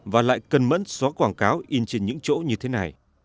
và lại cần mẫn xóa quảng cáo in trên những chỗ như thế này